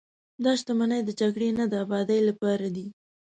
دا شتمنۍ د جګړې نه، د ابادۍ لپاره دي.